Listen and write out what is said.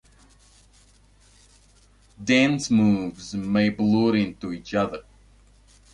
Dance moves may blur into each other.